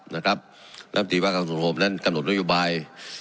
น้ำตีว่ากับสงครมนั่นกำหนดโดยุบาย